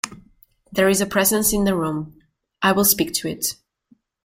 There is a presence in the room; I will speak to it.